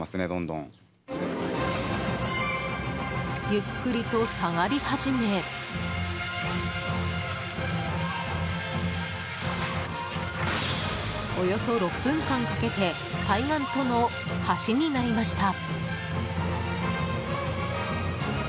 ゆっくりと下がり始めおよそ６分間かけて対岸との橋になりました。